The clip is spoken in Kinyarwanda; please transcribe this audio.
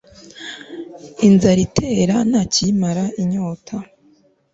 inzara utera nta kiyimara inyota